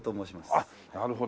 あっなるほど。